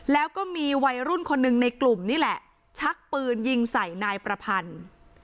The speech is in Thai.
แล้วก็มีวัยรุ่นคนหนึ่งในกลุ่มนี่แหละชักปืนยิงใส่นายประพันธ์